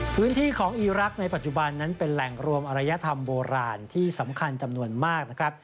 พื้นที่ของอีรักษ์ในปัจจุบันนั้นเป็นแหล่งรวมอรยธรรมโบราณที่สำคัญจำนวนมากนะครับ